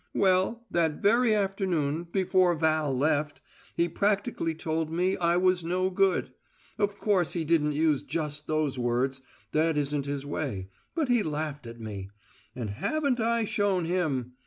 "Well, that very afternoon before Val left, he practically told me I was no good. Of course he didn't use just those words that isn't his way but he laughed at me. And haven't I shown him!